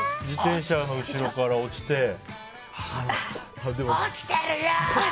自転車の後ろから落ちて。